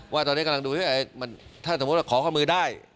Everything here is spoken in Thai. ว่าตอนนี้กำลังดูถ้าสมมุติว่าขอข้อมือได้